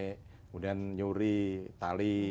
kemudian nyuri tali